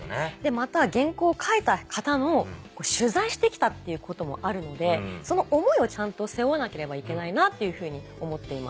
また原稿を書いた方の取材してきたっていうこともあるのでその思いをちゃんと背負わなければいけないなっていうふうに思っています。